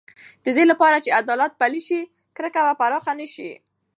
د دې لپاره چې عدالت پلی شي، کرکه به پراخه نه شي.